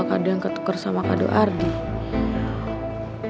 biasanya kenapa kita memerlukan perlu belang yang tersenyum